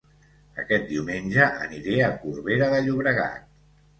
Aquest diumenge aniré a Corbera de Llobregat